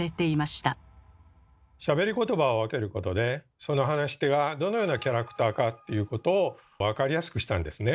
しゃべり言葉を分けることでその話し手がどのようなキャラクターかということを分かりやすくしたんですね。